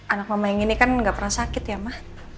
anak mama yang ini kan nggak pernah sakit ya mah